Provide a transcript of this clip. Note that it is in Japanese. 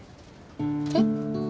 えっ？